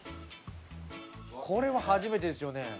これは初めてですよね。